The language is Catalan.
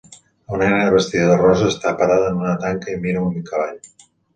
Una nena vestida de rosa està parada en una tanca i mira un cavall